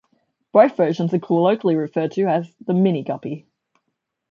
Both versions are colloquially referred to as the "Mini Guppy".